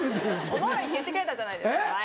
おもろいって言ってくれたじゃないですか前。